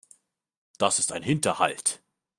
Das ist ein Hinterhalt.